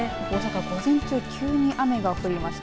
午前中急に雨が降りました。